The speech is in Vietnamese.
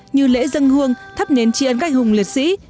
như lễ dân hương thắp nến tri ân các anh hùng liệt sĩ